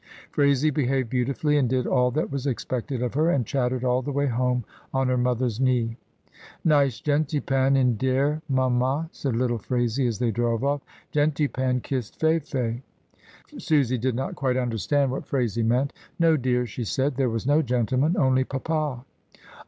Phraisie behaved beautifully and did all that was expected of her, and chattered all the way home on her mother's knee. "Nice gentypan in dere, mamma," said little Phraisie as they drove off. "Gentypan kissed Fay fay." Susy did not quite understand what Phraisie meant "No, dear," she said, "there was no gentleman, only papa."